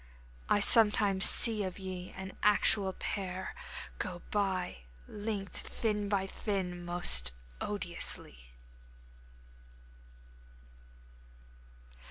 I sometimes see of ye an actual pair Go by! linked fin by fin! most odiously.